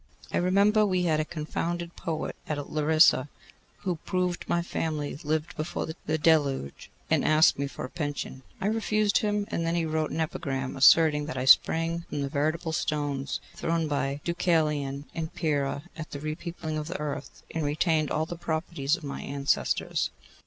I remember we had a confounded poet at Larissa who proved my family lived before the deluge, and asked me for a pension. I refused him, and then he wrote an epigram asserting that I sprang from the veritable stones thrown by Deucalion and Pyrrha at the re peopling of the earth, and retained all the properties of my ancestors.